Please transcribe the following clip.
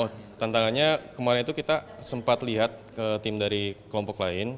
oh tantangannya kemarin itu kita sempat lihat ke tim dari kelompok lain